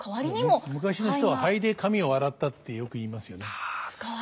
昔の人は灰で髪を洗ったってよく言いますよね。